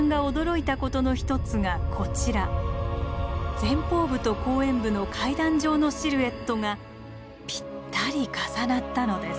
前方部と後円部の階段状のシルエットがぴったり重なったのです。